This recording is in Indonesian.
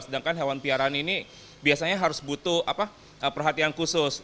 sedangkan hewan piharan ini biasanya harus butuh perhatian khusus